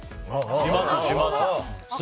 します、します！